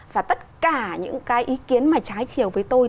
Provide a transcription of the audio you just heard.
và tất cả những cái ý kiến mà trái chiều với tôi